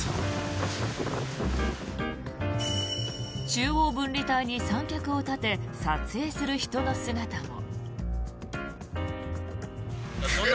中央分離帯に三脚を立て撮影する人の姿も。